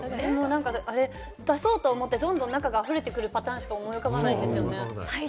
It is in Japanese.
出そうと思って、どんどん中が溢れてくるパターンしか思い出せないですよね。